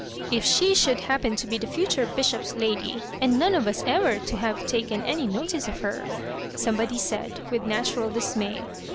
"If she should happen to be the future bishop's lady,, and none of us ever to have taken any notice of her," somebody said, with natural dismay.